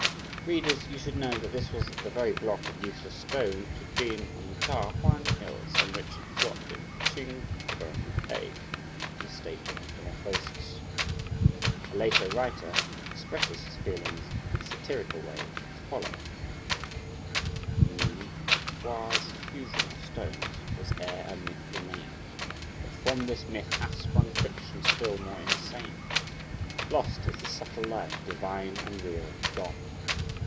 Readers, you should know that this was the very block of useless stone which had been on the Ta Huang Hills, and which had dropped into the Ch'ing Keng cave, in a state of metamorphosis. A later writer expresses his feelings in a satirical way as follows: Nü Wo's fusion of stones was e'er a myth inane, But from this myth hath sprung fiction still more insane! Lost is the subtle life, divine, and real! gone!